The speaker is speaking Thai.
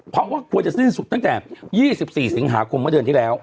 เพราะว่ากลัวจะสิ้นสุดตั้งแต่๒๔สิงหาคมเมื่อเดือนที่แล้ว